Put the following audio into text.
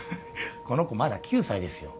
この子まだ９歳ですよ